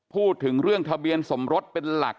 พูดถึงเรื่องทะเบียนสมรสเป็นหลัก